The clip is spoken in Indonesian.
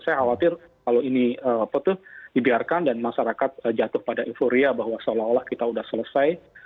saya khawatir kalau ini dibiarkan dan masyarakat jatuh pada euforia bahwa seolah olah kita sudah selesai